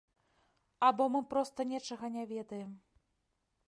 Або мы проста нечага не ведаем.